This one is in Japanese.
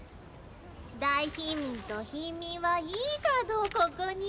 大貧民と貧民はいいカードをここに。